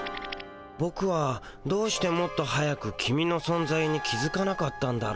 ボクはどうしてもっと早くキミのそんざいに気づかなかったんだろ。